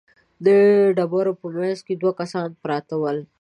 د ډبرو په مينځ کې دوه کسان پراته ول.